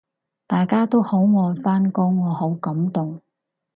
大家都好愛返工，我好感動